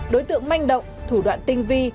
đối tượng manh động thủ đoạn tinh vi